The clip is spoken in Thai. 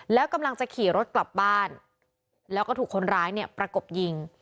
แล้วกำลังจะขี่รถกลับบ้านแล้วก็ถูกคนร้ายเนี่ยประกบยิง